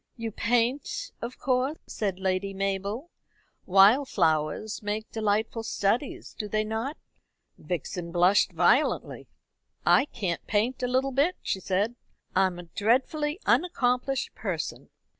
"You paint of course," said Lady Mabel. "Wild flowers make delightful studies, do they not?" Vixen blushed violently. "I can't paint a little bit," she said. "I am a dreadfully unaccomplished person."